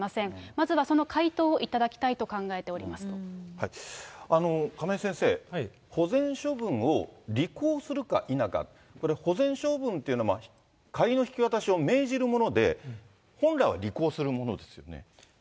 まずはその回答を頂きたいと考え亀井先生、保全処分を履行するか否か、これ、保全処分というのは、仮の引き渡しを命じるもので、本来は履行するものですよね。